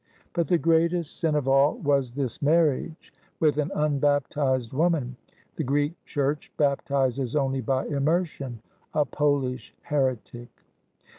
But the greatest sin of all was this marriage with an unbaptized woman, — the Greek Church baptizes only by immersion, — a PoKsh heretic.